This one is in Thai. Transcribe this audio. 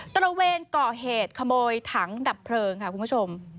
ตระเวนก่อเหตุขโมยถังดับเพลิงค่ะคุณผู้ชม